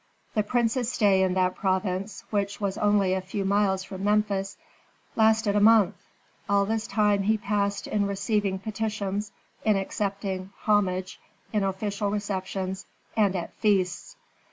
The prince's stay in that province, which was only a few miles from Memphis, lasted a month. All this time he passed in receiving petitions, in accepting homage, in official receptions, and at feasts.